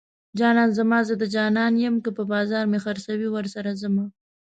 جانان زما زه د جانان يم که په بازار مې خرڅوي ورسره ځمه